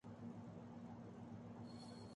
اسلامی دنیا دبی ہوئی دنیا ہے۔